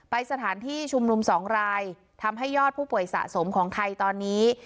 สถานที่ชุมนุมสองรายทำให้ยอดผู้ป่วยสะสมของไทยตอนนี้